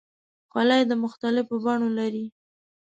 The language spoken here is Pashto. خولۍ د مختلفو بڼو لري.